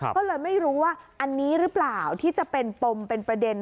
ก็เลยไม่รู้ว่าอันนี้หรือเปล่าที่จะเป็นปมเป็นประเด็น